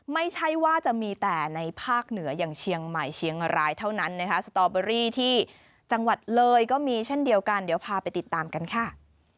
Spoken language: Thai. ไม่ใช่ว่าจะมีแต่ในภาคเหนืออย่างเชียงใหม่เชียงรายเท่านั้นนะคะสตอเบอรี่ที่จังหวัดเลยก็มีเช่นเดียวกันเดี๋ยวพาไปติดตามกันค่ะ